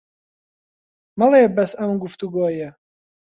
مەڵێ بەس ئەم گوفتوگۆیە